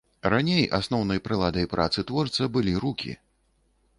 Раней асноўнай прыладай працы творца былі рукі.